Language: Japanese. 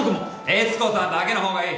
悦子さんだけの方がいい。